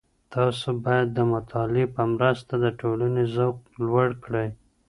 تاسو بايد د مطالعې په مرسته د ټولني ذوق لوړ کړئ.